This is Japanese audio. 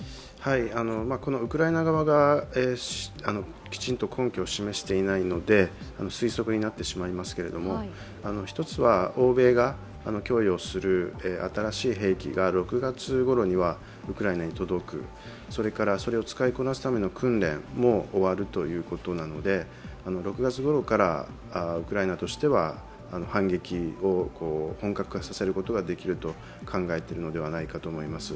このウクライナ側がきちんと根拠を示していないので推測になってしまいますが１つは欧米が供与する新しい兵器が６月ごろにはウクライナに届く、それからそれを使いこなすための訓練も終わるということなので６月ごろからウクライナとしては反撃を本格化させることができると考えているのではないかと思います。